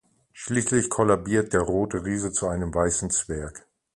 Schließlich kollabiert der Rote Riese zu einem Weißen Zwerg.